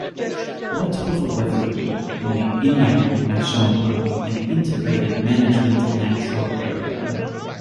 What will the weather be in the Iñao National Park and Integrated Management Natural Area?